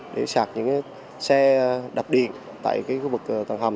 để sạc những cái xe đập điện tại cái khu vực tầng hầm